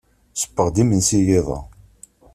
Ssewweɣ-d imensi i yiḍ-a.